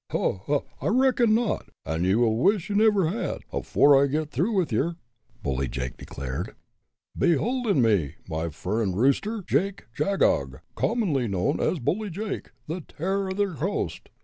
"Ho! ho! I reckon not, an' ye'll wish ye never had, afore I git through with yer!" Bully Jake declared. "Behold in me, my furin rooster, Jake Jogagog, commonly known as Bully Jake, the Terror o' ther Coast.